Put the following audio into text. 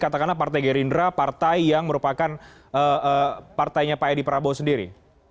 katakanlah partai gerindra partai yang merupakan partainya pak edi prabowo sendiri